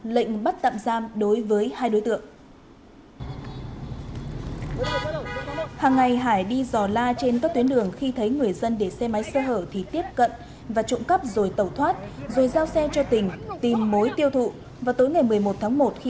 lệnh bắt tạm giam đối với hà tĩnh